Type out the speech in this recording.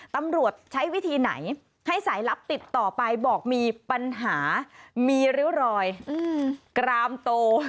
ตำรวจใช้วิธีไหนให้สายลับติดต่อไปบอกมีปัญหามีริ้วรอยกรามโต